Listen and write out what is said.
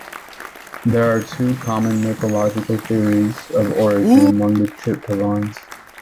There are two common mythological theories of origin among the Chitpavans.